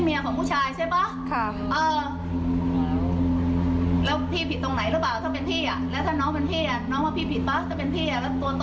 เออไปนั่นไปนี่กับน้องแล้วน้องยังนั่งเอ๋อยู่